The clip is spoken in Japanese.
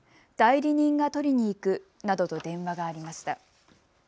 代理人が取りに行くなどと電話がありました。